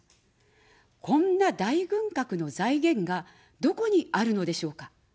こんな大軍拡の財源がどこにあるのでしょうか。